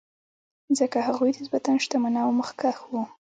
ځکه هغوی نسبتا شتمن او مخکښ وو.